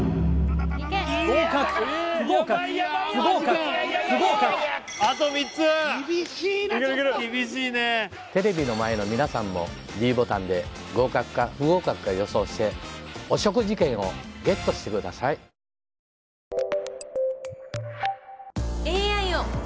合格不合格不合格不合格厳しいなちょっと厳しいねテレビの前の皆さんもｄボタンで合格か不合格か予想してお食事券をＧＥＴしてくださいこんにちは。